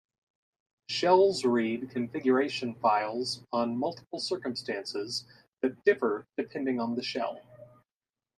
Shells read configuration files on multiple circumstances that differ depending on the shell.